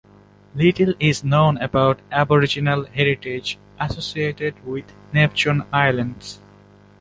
Little is known about Aboriginal heritage associated with the Neptune Islands.